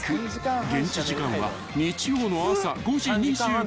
［現地時間は日曜の朝５時２５分］